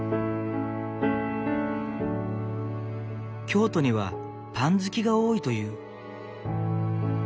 京都にはパン好きが多いという。